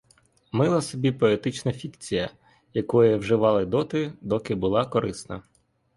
Мила собі поетична фікція, якої вживали доти, доки була корисна.